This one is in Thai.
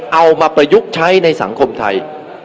ประยุกต์ใช้ในสังคมไทย